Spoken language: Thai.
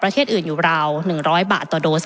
ประเทศอื่นซื้อในราคาประเทศอื่น